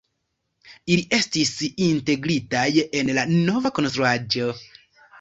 Ili estis integritaj en la nova konstruaĵo.